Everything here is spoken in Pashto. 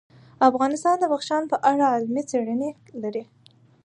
افغانستان د بدخشان په اړه علمي څېړنې لري.